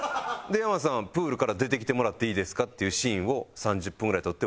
で「山名さんプールから出てきてもらっていいですか？」っていうシーンを３０分ぐらい撮って終わり。